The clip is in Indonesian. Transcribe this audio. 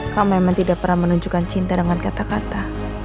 kamu emang tidak pernah menunjukkan cinta dengan kata kata